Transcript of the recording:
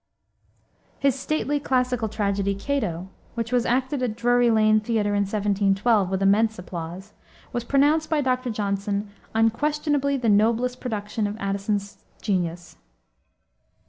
His stately, classical tragedy, Cato, which was acted at Drury Lane Theater in 1712, with immense applause, was pronounced by Dr. Johnson "unquestionably the noblest production of Addison's genius."